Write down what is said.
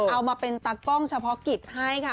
เอามาเป็นตากล้องเฉพาะกิจให้ค่ะ